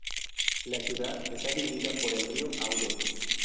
La ciudad está dividida por el río Aude.